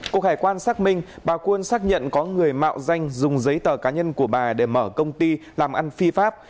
cục hải quan xác minh bà quân xác nhận có người mạo danh dùng giấy tờ cá nhân của bà để mở công ty làm ăn phi pháp